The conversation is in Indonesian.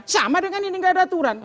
sama dengan ini nggak ada aturan